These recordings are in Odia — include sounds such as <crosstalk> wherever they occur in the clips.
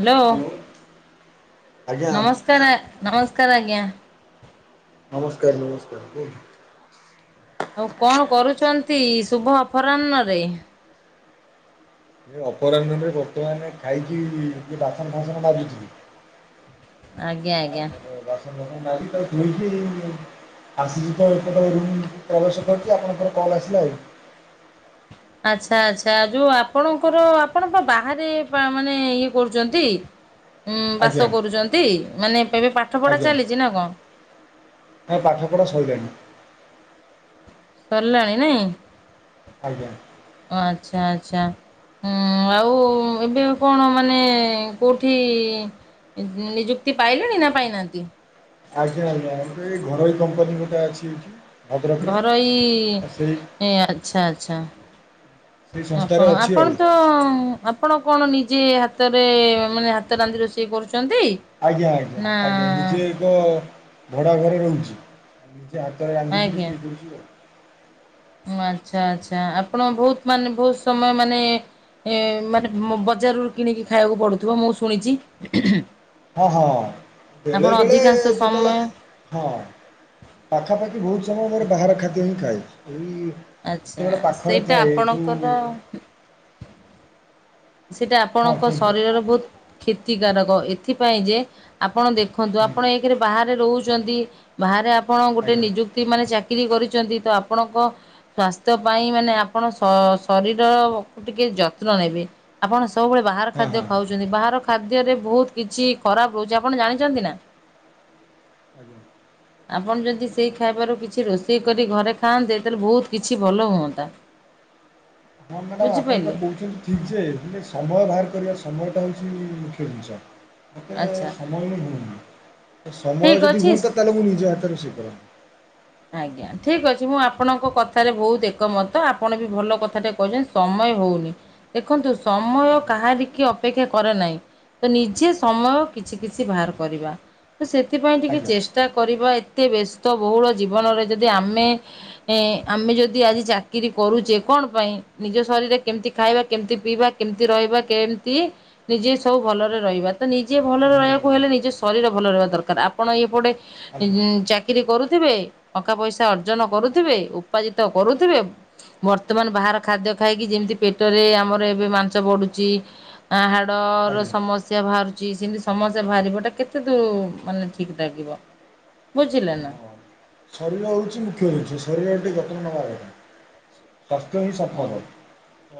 ହ୍ୟାଲୋ। ଆଜ୍ଞା ନମସ୍କାର ନମସ୍କାର ଆଜ୍ଞା। ନମସ୍କାର ନମସ୍କାର ହେ। ଆଉ କଣ କରୁଛନ୍ତି। ଶୁଭ ଅପରାହ୍ନରେ? ଏ ଅପରାହ୍ନରେ ବର୍ତ୍ତମାନ ଖାଇକି ଟିକେ ବାସନ ଫାସନ ମାଜୁଥିଲି। ଆଜ୍ଞା ଆଜ୍ଞା। ଏ ବାସନ ଫାସନ ମାଜିକି ତାକୁ ଧୋଇକି ଆସିଛି ତ ଏପଟେ ରୁମ୍ କୁ ପ୍ରବେଶ କରୁଛି ଆପଣଙ୍କର କଲ୍ ଆସିଲା ଆଉ <unintelligible> ଆଛା ଆଛା ଯୋଉଁ ଆପଣଙ୍କର ଆପଣ ବାହାରେ ମାନେ ଇଏ କରୁଛନ୍ତି। ହୁଁ ଆଜ୍ଞା ବାସ କରୁଛନ୍ତି। ମାନେ ଏବେ ପାଠ ପଢା ଚାଲିଛି ନା କଣ? ହଁ ପାଠପଢ଼ା ସଇଲାନି। ସରିଲାଣି ନାଇଁ? ଆଜ୍ଞା। ଆଛା ଆଛା। ହୁଁ ଆଉ ଏବେ କଣ ମାନେ କୋଉଁଠି ନିଯୁକ୍ତି ପାଇଲେଣି ନା ପାଇନାହାନ୍ତି? ଆଜ୍ଞା ଆଜ୍ଞ ଗୋଟେ ଏଇ ଘରୋଇ କମ୍ପାନୀ ଗୋଟେ ଅଛି ଏଠି। ଭଦ୍ରକରେ ଆଉ ସେଇ ଘରୋଇଇ ଆଚ୍ଛା ଆଚ୍ଛା। ସେଇ ସଂସ୍ଥାରେ ଆପଣ ଅଛି ଆଉ। ଆପଣତ ଆପଣ କଣ ନି ଯ ହାତରେ ମାନେ ହାତ ରାନ୍ଧି ରୋଷେଇ କରୁଛୁ। ଆଜ୍ଞା ଆଜ୍ଞା ଆଜ୍ଞା ନିଜେ ଏକ ଭଡା ଘରେ ରହୁଛି। ସେ ହାତରେ ରାନ୍ଧିକି ଆଜ୍ଞା। ରୋଷେଇ କରୁଛି ଆଉ। ଆଚ୍ଛା ଆଚ୍ଛା ଆପଣ ବହୁତ ମାନେ ବହୁତ ସମୟ ମାନେ ଏ ମାନେ ବଜାରରୁ କିଣିକି ଖାଇବାକୁ ପଡୁଥିବ ମୁଁ ଶୁଣିଛି। ହଁ ହଁ ଆପଣ ବେଳେବେଳେ ଅଧିକାଂଶ ଯେତେବେଳେ ସମୟ ହଁ। ପାଖାପାଖି ବହୁତ ସମୟ ମୋର ବାହାର ଖାଦ୍ୟ ହିଁ ଖାଏ। ଏଇ ଆଚ୍ଛା ଯେତେବେଳେ ପାଖରେ ସେଇଟା ଥାଏ ଯୋଉ ଆପଣଙ୍କର ସେଟା ହଁ ଆପଣଙ୍କ କୁହନ୍ତୁ ଶରୀରର ବହୁତ କ୍ଷତିକାରକ ଏଥିପାଇଁ ଯେ ଆପ ଆପଣ ଦେଖନ୍ତୁ ହୁଁ ଆପଣ ଏକେ ରେ ବାହାରେ ରହୁଛନ୍ତି ବାହାରେ ଆପଣ ଗୋଟେ ଆଜ୍ଞା ନିଯୁକ୍ତି ମାନେ ଚାକି କିରୀ କରିଛନ୍ତି ତ ଆପଣଙ୍କ ସ୍ୱାସ୍ଥ୍ୟ ପାଇଁ ମାନେ ଆପଣ ଶଶରୀର ଟିକେ ଯତ୍ନ ନେବେ ଆପଣ ସବୁବେଳେ ବାହାର ହଁ ଖାଦ୍ୟ ହଁ ଖାଉଛନ୍ତି ବାହାର ଖାଦ୍ୟରେ ବହୁତ କିଛି ଖରାପ ରହୁଛି ଆପଣ ଜାଣିଛନ୍ତି ନା? ଆଜ୍ଞା। ଆପଣ ଯଦି ସେଇ ଖାଇବାରୁ କିଛି ରୋଷେଇ କରି ଘରେ ଖାଆନ୍ତେ ତାହେଲେ ବହୁତ କିଛି ଭଲ ହୁଅନ୍ତା। <inaudible> ହଁ ମ୍ୟାଡାମ ଆପଣ ଯାହା ବୁଝିପାରିଲେ କହୁଛନ୍ତି ଠିକ ଯେ ହେଲେ ସମୟ ବାହାର କରିବା ସମୟଟା ହେଉଛି ମୁଖ୍ୟ ଜିନିଷ ମୋତେ ଆଚ୍ଛା ସମୟ ହିଁ ହୁଅନି। ସମୟ ଠିକ୍ ଯଦି ହୁଅନ୍ତା ଅଛି। ତାହେଲେ ମୁ ନିଜେ ହାତରେ ରୋଷେଇ କରନ୍ତି। ଆଜ୍ଞା ଠିକ ଅଛି ମୁଁ ଆପଣଙ୍କ କଥାରେ ବହୁତ ଏକମତ ଆପଣ ବି ଭଲ କଥାଟେ କହୁଛନ୍ତି ସମ ହଉନି ଦେଖନ୍ତୁ ସମୟ ଆଜ୍ଞା କାହାରି କି ଅପେକ୍ଷା କରେ ନାହିଁ। ତ ନିଜେ ସମୟ କିଛି କିଛି ବାହାର କରିବା। ସେଥିପାଇଁ ଟିକେ ଆଜ୍ଞା ଚେଷ୍ଟା କରିବା ଏତେ ବ୍ୟସ୍ତ ବହୁଳ ଜୀବନରେ ଯଦି ଆମେ ଏ ଆମେ ଯଦି ଆଜି ଚାକିରି କରୁଛେ କଣ ପାଇଁ ନିଜ ଶରୀରେ କେମତି ଖାଇବା କେମିତି ପିଇବା କେମିତି ରହିବା କେମିତି ନିଜେ ସବୁ ଭଲରେ ରହିବା ତ ନିଜେ ଭଲରେ ନିହାତି ରହିବାକୁ ହେଲେ ନିହାତି ନିଜ ଶରୀର ଭଲ ରହିବା ଦରକାର ଆପଣ ଏଇପଟେ ଆଜ୍ଞା ଚାକିରି କରୁଥିବେ ଟଙ୍କା ପଇସା ଅର୍ଜନ କରୁଥିବେ ଉପାର୍ଜିତ କରୁଥିବେ ବର୍ତ୍ତମାନ ବାହାର ଖାଦ୍ୟ ଖାଇକି ଯେମତି ପେଟରେ ଆମର ଏବେ ମାଂସ ବଡୁଛି ହାଡର ଆଜ୍ଞା ସମସ୍ୟା ବାହାରୁ ସେମତି ସମସ୍ତେ ବାହାରିବ ଟା କେତେ ଦୂର ମାନେ ଠିକ ଲାଗିବ। ବୁଝିଲେନା। ହଁ ଶରୀର ହଉଛି ମୁଖ୍ୟ ଜିନଷ ଶରୀର ଟିକେ ଯତ୍ନ ନେବାର କଥା। ସ୍ୱାସ୍ଥ୍ୟ ହି ହଁ ସମ୍ପଦ। ତ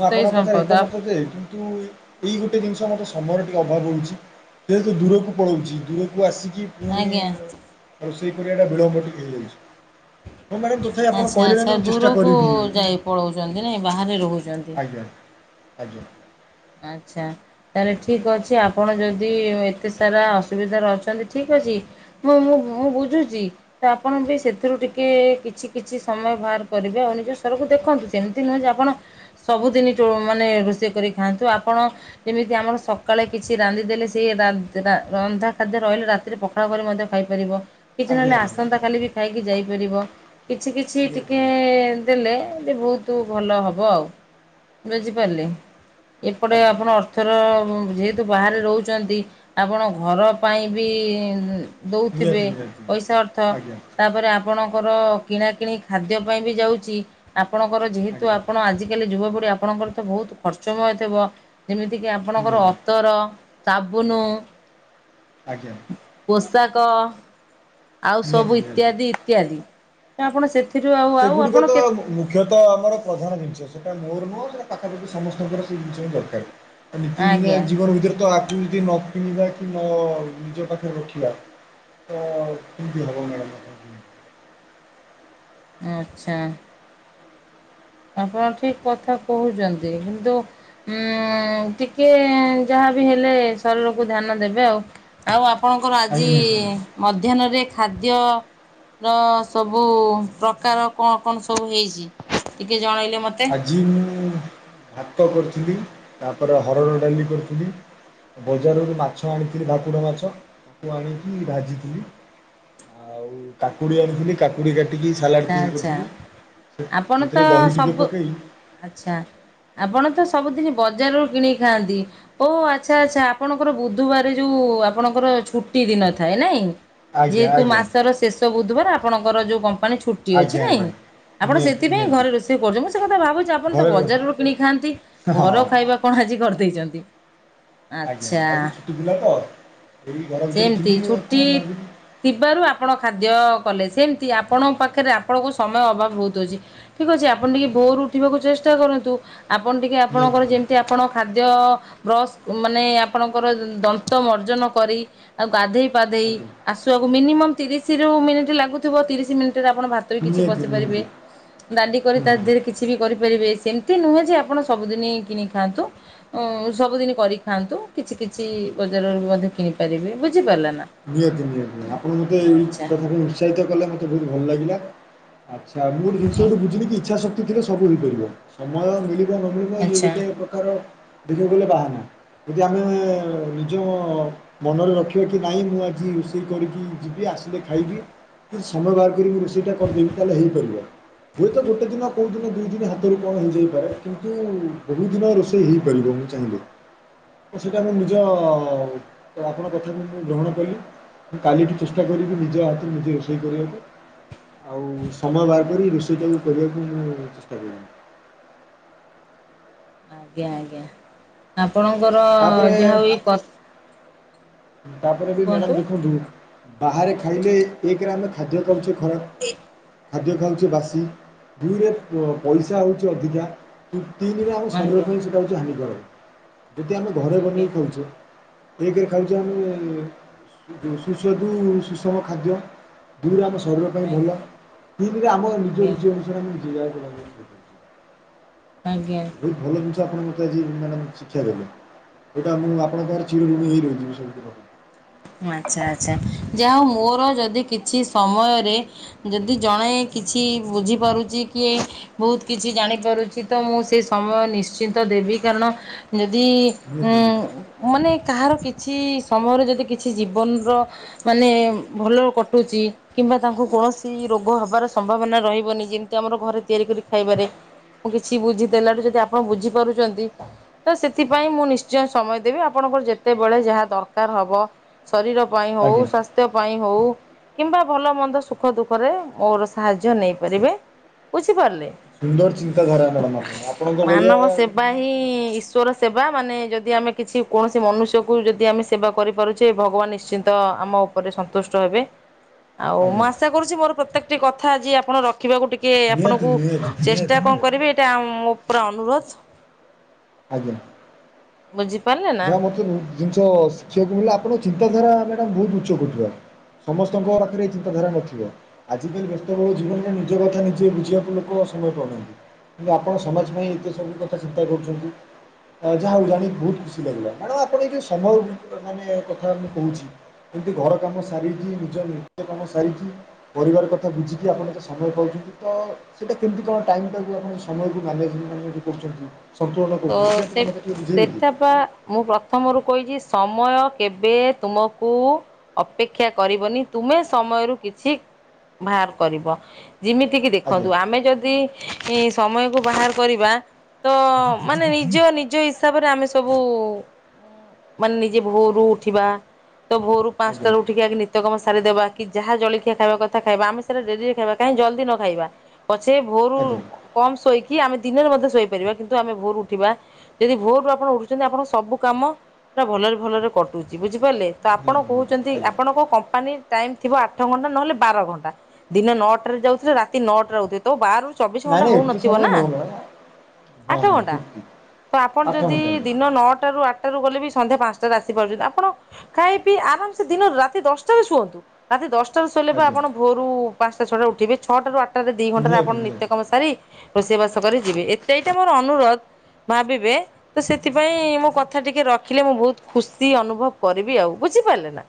ମୁଁ ହିଁ ଆପଣଙ୍କ କଥ ସମ୍ପଦ ଏକମତ ଯେ କିନ୍ତୁ ଏଇ ଗୋଟେ ଜିନିଷ ମତେ ସମୟ ଟିକେ ଅଭାବ ରହୁଛି ଯେ ହେତୁ ଦୂରକୁ ପଳାଉଛି ଦୂର କୁ ଆସିକି ପୁଣି ଆଜ୍ଞା ରୋଶେଇ କରିବାଟା ବିଳମ୍ବ ଟିକେ ହେଇଯାଉଛି। ହଁ ମ୍ୟାଡାମ ତଥାପି ଆପଣ ଆଚ୍ଛା କହିଲେ ନା ଆଚ୍ଛା ମୁଁ ଚେଷ୍ଟା ଦୂରକୁ କରିବି ଯାଇ ପଳଉଛନ୍ତି ଆଜ୍ଞା। ନାଇଁ ବାହାରେ ରହୁଛନ୍ତି ଆଜ୍ଞା ଆଜ୍ଞା। ଆଚ୍ଛା ତାହେଲେ ଠିକ ଅଛି ଆପଣ ଯଦି ଏତେ ସାରା ଅସୁବିଧାରେ ଅଛନ୍ତି ଠିକ ଅଛି। ମୁଁ ମୁଁ ମୁଁ ବୁଝୁଛି ତ ଆପଣ ବି ସେଥିରୁ ଟିକେ କିଛି କିଛି ସମୟ ବାହାର କରି କରିବେ ଆଉ ନିଜ ସଵରକୁ ଦେଖନ୍ତୁ ସେମିତି ନୁହେଁ ଯେ ଆପଣ ସବୁଦିନ ମାନେ ରୋଷେଇ କର ଖାନ୍ତୁ ଆପଣ ଯେମିତି ଆମର ସକାଳେ କିଛି ରାନ୍ଧି ଦେଲେ ସେ ରନ୍ଧା ଖାଦ୍ୟ ରହିଲେ ରାତିରେ ପଖାଳ କରି ମଧ୍ୟ ଖାଇପାରିବ। କିଛି ଆଜ୍ଞା ନହେଲେ ଆସନ୍ତା କାଲି ବି ଆଜ୍ଞା ଖାଇକି ଯାଇପାରିବ କିଛି କିଛି ଟିକେ ଏ ଦେଲେ ବହୁତ ଭଲ ହବ ଆଉ ବୁଝିପାରିଲେ? ଏପଟେ ଆଜ୍ଞା ଆପଣ ଅର୍ଥର ଯେହେତୁ ବାହାରେ ରହୁଛନ୍ତି ଆପଣ ଘର ପାଇଁ ବି ଇଁ ଦେଉଥିବେ, ନିହାତି ନିହାତି ଆଜ୍ଞା ନିହାତି ନିହାତି ପଇସା ଅର୍ଥ ଆଜ୍ଞା ତାପରେ ଆପଣ ଙ୍କର କିଣା କିିଣି ଖାଦ୍ୟ ପାଇଁ ବି ଯାଉଛି ଆପଣଙ୍କର ଯେହେତୁ ଆଜ୍ଞା ଆପଣ ଆଜିକାଲି ଯୁବପଢି ଆପଣଙ୍କର ତ ବହୁତ ଖର୍ଚ୍ଚମୟ ଥିବ ଯେମିତି କି ଆପଣଙ୍କର ନିହାତି ଅତର ସାବୁନୁ ଉ ଆଜ୍ଞା, ତ ଆଉ ନିହାତି ସବୁ ନିହାତି। ଇତ୍ୟାଦି ଇତ୍ୟାଦି ତ ଆପଣ ସେ ସେଗୁଡିକ ତ ମୁଖ୍ୟତଃ ଆମର ପ୍ରଧାନ ଜିନିଷ ସେଟା ମୋର ା ପାଖାପାଖି ସମସ୍ତଙ୍କର ସେଇ ଜିନିଷ ଦରକାର ନିତିଦିନିଆ ଆଜ୍ଞା ଜୀବନ ଭିତରେ ତ ଆକୁ ଯଦି ନ କିଣିବା କି ମୋ ନିଜ ପାଖରେ ରଖିବାା ତ କେମିତି ହେବ ମ୍ୟାଡ଼ାମ ଆପଣ <inaudible> ଆଚ୍ଛା, ଆପଣ ଠିକ କଥା କହୁଛନ୍ତି କିନ୍ତୁ ଉଁ ଟିକେ ଯାହାବି ହେଲେ ଶରୀରକୁ ଧ୍ୟାନ ଦେବେ ଆଉ ଆଉ ଆପ ଆପଣଙ୍କର ଆଜି ଆଜ୍ଞା ଆଜ୍ଞା। ମଧ୍ୟାହ୍ନରେ ଖାଦ୍ୟର ସବୁ ପ୍ରକାର କଣ କଣ ସବୁ ହେଇଚି? ଆଜି ମୁଁ ଭାତ କରିଥିଲି ତାପରେ ହରଡ଼ ଡାଲି କରିଥିଲି ବଜାରରୁ ମାଛ ଆଣିଥିଲି ଭାକୁର ମାଛ ତାକୁ ଆଣିକି ଭାଜିଥିଲି ଆଉ କାକୁଡି ଆଣିଥିଲି କାକୁ କାକୁଡ଼ି କାଟିକି ସାଲାଡ଼ ଆଚ୍ଛା ତିଆରି ଆଚ୍ଛା କରିଥିଲି ସେଥିରେ ଦହି ଟିକେ ପ ଆଛା ଆପଣ ତ ସବୁଦିନ ବଜାରରୁ କିଣ ଖାଆନ୍ତି ଓ ଆଚ୍ଛା ଆଛା ଆପଣଙ୍କର ବୁଧବାର ଯୋଉ ଆପଣଙ୍କର ଛୁଟି ଦିନ ଥାଏ ନାଇଁ ଆଜ୍ଞା ଯେହେତୁ ଆଜ୍ଞା ମାସର ଶେଷ ବୁଧବାର ଆପଣଙ୍କର ଜଉ ବ ମାନେ ଛୁଟି ଅଛି ଆଜ୍ଞା ନାଇଁ। ଆଜ୍ଞା ଆପଣ ନିହାତି ସେଥିପାଇଁ ନିହାତି ଘରେ ରୋଷେଇ କରୁଛ ମୁଁ ସେ କଥା ଭାବୁଛି ଆପଣ ତ ଘରେ ରହି ବଜାରରୁ କିଣି ଖାଆନ୍ତି ହଁ ଘର ହଁ ଖାଇବା କଣ ଆଜି କର ଦେଇଚନ୍ତି। ଆଜ୍ଞା ଆଜି ଛୁଟି ଥିଲା ତ। ଏଇ ଘର ଭିତରେ ସେମିତି ଥିଲି ମୁଁ ଆଉ ଛୁଟି କଣ ଭାବିଲି ଥିବାରୁ ଆପଣ ଖାଦ୍ୟ ଅ କଲେ ସେମିତି ଆପଣଙ୍କ ପାଖରେ ଆପଣଙ୍କୁ ସମୟ ଅଭାବ ବହୁତ ଅଛି। ଠିକ ଅଛି ଆପଣ ଟିକେ ଆଜ୍ଞା ଭୋରୁ ଉଠିବାକୁ ଚେଷ୍ଟା କରନ୍ତୁ। ଆପଣ ଟିକେ ନିହାତି ଆପଣଙ୍କର ନିହାତି ଯେମିତି ଆପଣ ଖାଦ୍ୟ ବ୍ରସ୍ ମାନେ ଆପଣଙ୍କର ଦ-ଦନ୍ତ ମର୍ଜନ କରି ଆଉ ଗାଧେଇ। ପାଧେଇ ଆଜ୍ଞା ଆସିବାକୁ ମିନିମମ୍ ତିରିଶ ରୁ ମିନିଟ ଲାଗୁଥିବ ତିରିଶ ମିନ ଆପଣ ଭାତ ବି କିଛି ନିହାତି ବସିି ପାରିବେ ନିହାତି ଡାଲି କରି ହୁଁ ହୁଁ ତାଦିହରେ କିଛି ବି କରିପାରିବେ। ଏମିତି ନୁହେଁ ଯେ ଆପଣ ସବୁଦିନ କିଣିକି ଖାଆନ୍ତୁ ଉଁ ସବୁଦିନ କରିକି ଖାଆନ୍ତୁ କିଛି କିଛି ବଜାରରୁ ମଧ୍ୟ କିଣି ପାରିବେ ବୁ ନିହାତି ନିହାତି ଆପଣ ମୋତେ ଏଇ ଆଚ୍ଛା କଥାକୁ ଉତ୍ସାହିତ କଲେ ମତେ ବହୁତ ଭଲ ଲାଗିଲା। ଆଚ୍ଛା ମୁଁ ଗୋଟେ ଜିନିଷ ଗୋଟେ ବୁଝି ଇଚ୍ଛା ଶକ୍ତି ଥିଲେ ସବୁ ହେଇପାରିବ ସମୟ ମିଳି ନଗେଇ ଖାଇଲୁ ଆଚ୍ଛା ଗୋଟେ ପ୍ରକାର। ଦେଖିବାକୁ ଗଲେ ବାହାନା ଯଦି ଆମେ ନିଜ ମନରେ ରଖିବା କି। ନାଇ ମୁଁ ଆଜି ରୋଷେଇ କରିକି ଯିବି ଆସିଲେ ଖାଇବି। ଯଦି ସମୟ ବାହାର କରିିକି ରୋଷେଇଟା କରିଦେବି ତାହେଲେ ହେଇପାରିବ। ହୁଏତ ଗୋଟେ ଦିନ କୋଉ ଦିନ ଦି ଦିନ ହାତରୁ କଣ ହେଇଯାଇପାରେ କିନ୍ତୁ ବହୁତ ଦିନ ରୋଷେଇ ହେଇପାରିବ। ଚାହିଁଲେ ସେଇଟା ମୁଁ ନିଜ ଆପଣ କଥା ମୁଁ। ମୁଁ ଗ୍ରହଣ କାଲିି ମୁଁ କାଲିଠୁ ଚେଷ୍ଟା କରିବି ନିଜ ହାତରେ ନିଜେ ରୋଷେଇ କରିବାକୁ। ଆଉ ସମୟ ବାହର କରି ରୋଷେଇଟାକୁ କରିବାକୁ ମୁଁ ଚେଷ୍ଟା କରିବି। ଆଜ୍ଞା ଆଜ୍ଞା ଆପଣଙ୍କର ତାପରେ ଯାହା ହଉ ଏଇ କ ତାପରେ ବି ମ୍ୟାଡ଼ାମ କୁହନ୍ତୁ ଦେଖନ୍ତୁ ବାହାରେ ଖାଇଲେ ଏକରେ ଆମେ ଖାଦ୍ୟ ଖାଉଚେ। ହଁ ଖାଦ୍ୟ ଖାଉଚେ ବାସି ଦୁଇରେ ପ-ପଇସା ହଉଛି ଅଧିକା। ତି ତିନି ରେ ଆଉ ସମୟ ଆଜ୍ଞା ପାଇଁ ସେଟା ହଉଚି ହାନି କାରକ। ଯଦି ଆମେ ଘରେ ଆଜ୍ଞା ବନେଇ ଖାଉଛେ ଏକେରେ ଖାଉ ସୁ ସୁସ୍ୱାଦୁ ସୁଷମ ଖାଦ୍ୟ ଦୁଇ ରେ ଆମେ। ଶରୀର ପାଇଁ ଆଜ୍ଞା ଭଲ ତିନି ରେ ଆମ ନିଜ ଆଜ୍ଞା ରୁଚି ଅନୁସାରେ ଆମେ ନିଜେ ଯାହାକୁ କରିବା। ଆଜ୍ଞା। ଆପଣ ମତେ ଆଜି ମ୍ୟାଡ଼ାମ ଶିକ୍ଷା ଦେଲେ। ସେଇଟା ମୁଁ ଆପଣଙ୍କର ଚିର ଋଣି ହେଇ ରହିିଯିବି ସବୁଦିନ ପାଇଁ। ଆଚ୍ଛା ଆଚ୍ଛା। ଯାହା ହଉ ମୋର ଯଦି କିଛି ସମୟରେ ଯଦି ଜଣେ କିଛି ବୁଝିପାରୁଚି। କିଏ ବହୁତ କିଛି ଜାଣିପାରୁଚି ତ ମୁଁ ସେ ସମୟ ନିଶ୍ଚିନ୍ତ ଦେବି କାରଣ ନି ଯି ନିହାତି ଅଁ ନିହାତି। ମାନେ କାହାର କିଛି ସମୟରେ ଯଦି କି କିଛି ଜୀବନର ମାନେ ଭଲ କଟୁଛି କିମ୍ବା ତାଙ୍କୁ କୌଣସି ରୋଗ ହବାର ସ ସମ୍ଭାବନା ରହିବନି ଯେମିତି ଆମର ଘରେ ତିଆରି କରି ଖାଇବାରେ। ମୁଁ କିଛି ବୁଝି ଦେଲାରୁୁ ଯଦି ଆପଣ ବୁଝିପାରୁଛନ୍ତି ତ ସେଥିପାଇଁ ମୁଁ ନିଶ୍ଚୟ ସମୟ ଦେବି ଆପଣ ଆପଣର ଯେତେବେଳେ ଯାହା ଦରକାର ହବ ଶରୀର ପାଇଁ ହଉ ଆଜ୍ଞା ସ୍ୱାସ୍ଥ୍ୟ ପାଇଁ ହଉ କିମ୍ବା ଭଲ ମନ୍ଦ ସୁଖ ଦୁଃଖରେ ମୋର ସାହାଯ୍ୟ ନେଇପାରିବେ ବୁଝିପାରିଲେ। ସୁନ୍ଦର ଚିନ୍ତାଧାରା ମ୍ୟାଡ଼ାମ୍ ଆପଣ ଆପଣଙ୍କ ଭଳିଆ ମାନବ ସେବା ହିଁ ଈଶ୍ୱର ସେବା ମାନେ ଯଦି ଆମେ କିଛି କୌଣସି ମନୁଷ୍ୟକୁ ଯଦି ଆମେ ସେବା କରିପାରୁ ଚେ ଭଗବାନ ନିଶ୍ଚିନ୍ତ ଆମ ଉପରେ ସନ୍ତୁଷ୍ଟ ହେବେ ଆଉ ମୁଁ ଆଜ୍ଞା ଆଶା କରୁଛି ମୋର ପ୍ରତ୍ୟେକ କଥା ଆଜି ଆପଣ ରଖିବାକୁ ଟିକେ ନିହାତି ଆପଣକୁ ନିହାତି ଚେଷ୍ଟା ନିହାତି କଣ ନିହାତି କରିବେ ଏଇଟା ମୋ ପୁରା ଅନୁରୋଧ। ଆଜ୍ଞା ବୁଝିପାରିଲେ ନା। ଯାହା ମତେ ଜିନିଷ ଶିଖିବାକୁ ମିଳିଲା ଆପଣ ଚିନ୍ତାଧାରା ମ୍ୟାଡ଼ାମ୍ ବହୁତ ଉଚ୍ଚ କୋଟି ର। ସମସ୍ତଙ୍କ ପାଖରେ ଚିନ୍ତାଧାରା ନଥିବ ଆଜିକାଲି ବ୍ୟସ୍ତ ବହୁଳ ଜୀବନରେ ନିଜ କଥା ନିଜେ ବୁଝିବାକୁ ଲୋକ ସମୟ ପାଉ ନାହାଁନ୍ତି କିନ୍ତୁ ଆପଣ ସମାଜ ପାଇଁ ଏତେ ସବୁ କଥା ଚିନ୍ତା କରୁଛନ୍ତି ଯାହା ହଉ ଜାଣି ବହୁତ ଖୁସି ଲାଗିଲା ମ୍ୟାଡାମ ଆପଣ ଏ ସମୟ ମାନେ କଥା ମୁଁ କହୁଛି ଏମତି ଘର କାମ ସାରିକି ନିଜ ନିଜ କାମ ସାରିକି ପରିବାର କଥା ବୁଝିକି ଆପଣ ଏତେ ସମୟ ପାଉଛନ୍ତି ତ ସେଇଟା କେମିତି କଣ ଟାଇମ୍ ଟାକୁ ଆପଣ ସମୟକୁ ମ୍ୟାନେମେଣ୍ଟ କରୁଛନ୍ତି? ସନ୍ତୁଳନ ତ କରୁଛନ୍ତି ସେଇା ସେ ଟିକେ ମୋତେ ଟିକେ ବୁଝେଇବେ କି? ସେଟା ପା ମୁଁ ପ୍ରଥମରୁ କହିଛି ସମୟ କେବେ ତୁମକୁ ଅପେକ୍ଷା କରିବନି ତୁ ତମେ ସମୟରୁ କିଛି ବାହାର କରିବ। ଯେମିତିକି ଦେଖନ୍ତୁ ଆଜ୍ଞା ଆମେ ଯଦି ସମୟକୁ ବାହାର କରିବା ତ ମାନେ ନିଜ ନିଜ ହିସାବରେ ଆମେ ସବୁ ମାନେ ନିଜେ ଭୋରୁ ଉଠିବା ତ ଭୋରୁ ଆଜ୍ଞା ପାଞ୍ଚଟାରୁ ଉଠିକି ଆଗେ ନିତ୍ୟ କର୍ମ ସାରିଦବା କି ଯାହା ଜଳଖିଆ ଖାଇବା କଥା ଖାଇବା ଆମେ ସେଇଟା ଡେରିରେ ଖାଇବା କାହିଁ ଜଲଦି ନ ଖାଇବା। ପଛେ ଭୋରୁ ଆଜ୍ଞା କମ ଶୋଇକି ଆମେ ଦିନରେ ମଧ୍ୟ ଶୋଇପାରିବା କିନ୍ତୁ ଆମେ ଭୋର ଉଠିବା ଯଦି ଭୋରରୁୁ ଆପଣ ଉଠୁଛନ୍ତି ଆପଣ ସବୁ କାମ ଭଲରେ ଭଲରେ କଟୁଛି ବୁଝିପାରିଲେ ତ ଆପଣ ଆଜ୍ଞା କହୁଛନ୍ତି ଆଜ୍ଞା। ଆପଣଙ୍କ କମ୍ପାନୀ ଟାଇମ ଥିବ ଆଠ ଘଣ୍ଟା ନହେଲେ ବାର ଘଣ୍ଟା ଦିନ ନଅଟାରେ ଯାଉଥିଲେ ରାତି ନଅଟା ଆଉଥିବେ ତ ବାରରୁ ଚବିଶ ନାଇଁ ଘଣ୍ଟା ନାଇଁ ଏତେ ହଉନଥିବ ସମୟ ନା। ନୁହଁ ମ୍ୟାଡ଼ାମ୍ ଆ ଆଠ ହଁ ହଁ ଘଣ୍ଟା ଠିକ୍ ଠିକ୍ ତ ଆପଣ ଆଠ ଯଦି ଘଣ୍ଟା ମ୍ୟାଡ଼ାମ୍ ଦିନ ନଅଟାରୁ ଆଠ ଗଲେ ବି ସନ୍ଧ୍ୟା ପାଞ୍ଚଟା ରେ ଆସି ପାରୁଛନ୍ତି ଆପଣ ଖାଇ ପିଇ ଆରାମ ସେ ଦିନ ରାତି ଦଶଟାରେ ଶୁଅନ୍ତୁ ରାତି ଦଶଟା ଶୋଇଲେ ଆଜ୍ଞା ଆପଣ ଭୋରୁ ପାଞ୍ଚଟା ଛଅଟା ଉଠିବେ ଛଅଟାରୁୁ ଆଠଟାରେ ଦି ଘଣ୍ଟାରେ ଆପଣ ନିହାତି ନିହାତି ନିତ୍ୟ କର୍ମ ସାରି ରୋଷେଇବାସ କରି ଯିବେ ଏତ ଏଇଟା ମୋର ଅନୁରୋଧ ଭାବିବେ ତ ସେଥିପାଇଁ ମୋ କଥା ଟିକେ ରଖିଲେ ମୁଁ ବହୁତ ଖୁସି ଅନୁଭବ କରିବି ଆଉ ବୁଝ ବୁଝିପାରିଲେ ନା।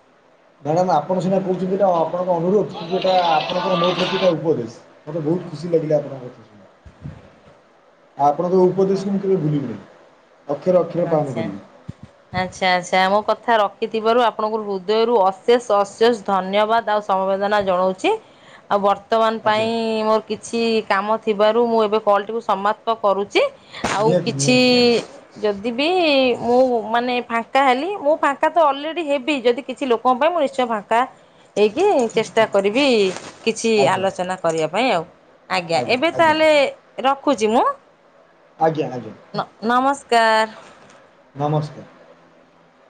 ମ୍ୟାଡାାମ ଆପଣ ସିନା କହୁଛନ୍ତି ଏଇଟା ଆପଣଙ୍କ ଅନୁରୋଧ କିନ୍ତୁ ଏଟା ଆପଣଙ୍କର ମୋ ପ୍ରତି ଏଇଟା ଉପଦେଶ ମୋତେ ବହୁ ବହୁତ ଖୁସି ଲାଗିଲା ଆପଣ ଙ୍କ କଥା ଶୁଣିକି। <unintelligible> ଆଉ ଆପଣଙ୍କ ଉପଦେଶ ମୁଁ କେବେ ଭୁଲିବନି। ଆଛା ଆଛା ଆଛା ମୋ କଥ ଥା ରଖିଥିବାରୁ ଆପଣଙ୍କୁ ହୃଦୟରୁ ଅଶେଷ ଅଶେଷ ଧନ୍ୟବାଦ ଆଉ ସମବେଦନା ଜଣାଉଛି। ଆଉ ବତ୍ ବର୍ତ୍ତମାନ ଆଜ୍ଞା ପାଇଁ ମୋର କିଛି କାମ ଥିବାରୁ ମୁଁ ଏବେ କଲଟିକୁ ସମାପ୍ତ କରୁଚି। ଆଉ ନିହାତି କିଛି ନିହାତି ନିହାତି ଯଦି ବି ମୁଁ ମାନେ ଫାଙ୍କା ହେଲି। ମୁଁ ଫାଙ୍କା ତ ଅଲରେଡି ହେବି ଯଦି କିଛି ଲୋକଙ୍କ ପାଇଁ ମୁଁ ନିଶ୍ଚୟ ଫାଙ୍କା ହେଇକି ଠିକ୍ ଚେଷ୍ଟା ଠିକ୍ କରିବି କିଛି ଆଜ୍ଞା ଆଲୋଚନା କରିବା ପାଇଁ ଆଉ। ଆଜ୍ଞା ଏବେ ତାହଲେ ର ରଖୁଛି ମୁଁ ଆଜ୍ଞା ଆଜ୍ଞା ନମସ୍କାର। ନମସ୍କାର।